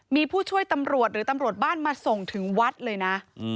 มีผู้ช่วยตำรวจหรือตำรวจบ้านมาส่งถึงวัดเลยนะ